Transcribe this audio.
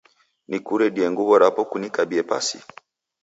Nikuredie nguw'o rapo kunikabie pasi ?